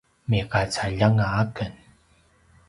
migacaljanga aken